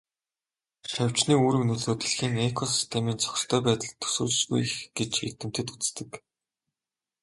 Шавжны үүрэг нөлөө дэлхийн экосистемийн зохистой байдалд төсөөлшгүй их гэж эрдэмтэд үздэг.